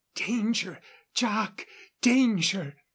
Danger! Jac! Danger!"